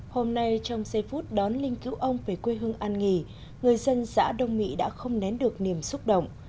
hôm nay trong giây phút đón linh cứu ông về quê hương an nghỉ người dân xã đông mỹ đã không nén được niềm xúc động